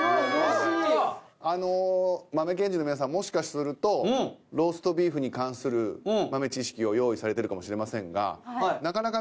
もしかするとローストビーフに関する豆知識を用意されてるかもしれませんが。